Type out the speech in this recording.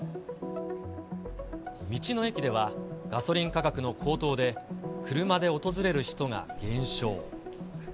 道の駅では、ガソリン価格の高騰で、車で訪れる人が減少。